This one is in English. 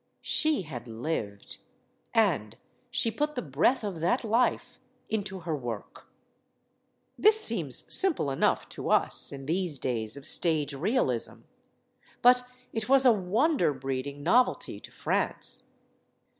She had lived. And she put the breath of that life into her work. This seems simple enough to us in these days of stage realism. But it was a wonder breeding novelty to France.